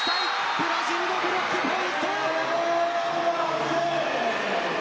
ブラジルのブロックポイント。